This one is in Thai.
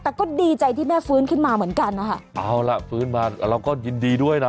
แต่ก็ดีใจที่แม่ฟื้นขึ้นมาเหมือนกันนะคะเอาล่ะฟื้นมาเราก็ยินดีด้วยนะ